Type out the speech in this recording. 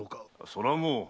そりゃもう。